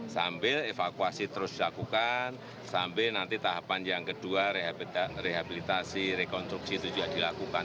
sambil evakuasi terus dilakukan sambil nanti tahapan yang kedua rehabilitasi rekonstruksi itu juga dilakukan